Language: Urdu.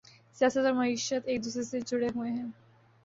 سیاست اور معیشت ایک دوسرے سے جڑے ہوئے ہیں۔